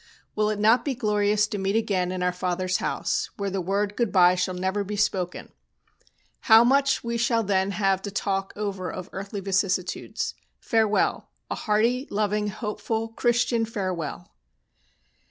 Will it not be glorious to meet again in our Father's house, where the word goodbye shall never be spoken? How much we shall then have to talk over of earthly vicissitudes! Farewell! A hearty, loving, hopeful, Christian farewell!"